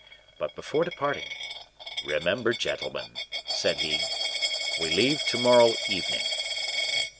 But before departing, "Remember, gentlemen," said he, "we leave to morrow evening."